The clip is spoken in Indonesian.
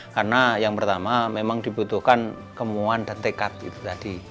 karena yang pertama memang dibutuhkan kemuan dan tekat itu tadi